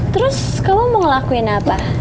terus kamu mau ngelakuin apa